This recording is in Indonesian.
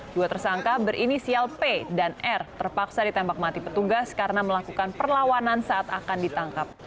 dua tersangka berinisial p dan r terpaksa ditembak mati petugas karena melakukan perlawanan saat akan ditangkap